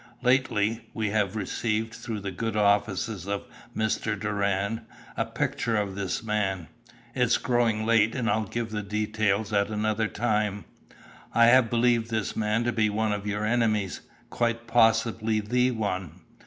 "Lately, we have received, through the good offices of Mr. Doran, a picture of this man it's growing late and I'll give the details at another time I have believed this man to be one of your enemies, quite possibly the one."